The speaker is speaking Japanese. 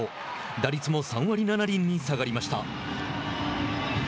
打率も３割７厘に下がりました。